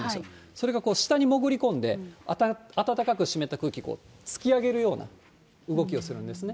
それが下に潜り込んで、暖かく湿った空気、突き上げるような動きをするんですね。